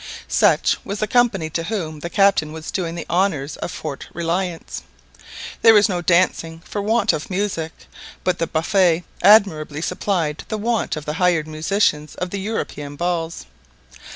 Such was the company to whom the Captain was doing the honours of Fort Reliance. There was no dancing for want of music, but the "buffet" admirably supplied the want of the hired musicians of the European balls.